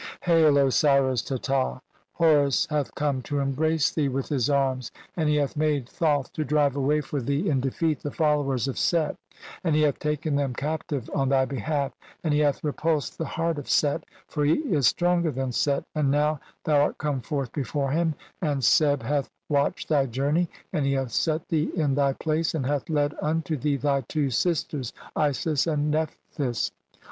"Hail, Osiris Teta, Horus hath come to embrace thee CXXIV INTRODUCTION. "with his arms, and he hath made Thoth to drive away "for thee in defeat the followers of Set, and he hath "taken them captive on thy behalf, and he hath re "pulsed the heart of Set, for he is stronger than Set; "and now, thou art come forth before him, and Seb "hath watched thy journey, and he hath set thee in "thy place and hath led unto thee thy two sisters Isis "and Nephthys.